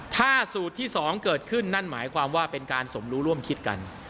ถ้าสูตรที่๒เกิดขึ้นนั่นหมายความว่าเป็นการสมรู้ร่วมคิดกัน